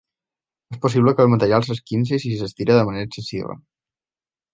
És possible que el material s'esquinci si s'estira de manera excessiva.